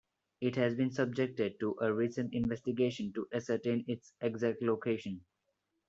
It has been subjected to a recent investigation to ascertain its exact location.